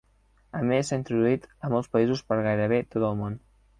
A més s'ha introduït a molts països per gairebé tot el món.